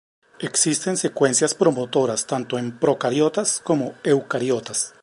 Existen secuencias promotoras tanto en procariotas como eucariotas.